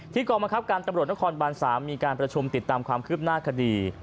กรมคับการตำรวจนครบาน๓มีการประชุมติดตามความคืบหน้าคดี